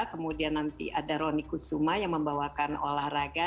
kemudian nanti ada roni kusuma yang membawakan olahraga